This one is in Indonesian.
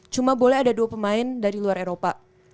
cuma boleh ada dua pemain dari luar eropa